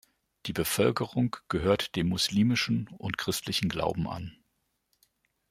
Die Bevölkerung gehört dem muslimischen und christlichen Gauben an.